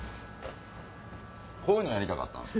こういうのやりたかったんすよ